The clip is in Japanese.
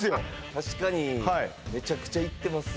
確かにめちゃくちゃ行ってます